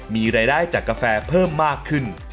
มีรายได้จากกาแฟเพิ่มมากขึ้น